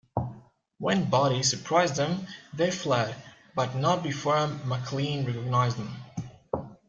When Buddy surprised them, they fled, but not before McLean recognized them.